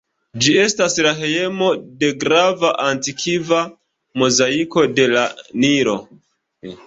Ĝi estas la hejmo de grava antikva mozaiko de la Nilo.